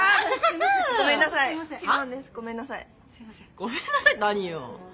ごめんなさいって何よ。